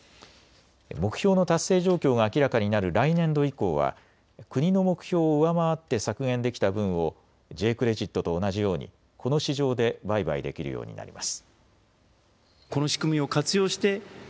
目標の達成状況が明らかになる来年度以降は国の目標を上回って削減できた分をＪ−クレジットと同じようにこの市場で売買できるようになります。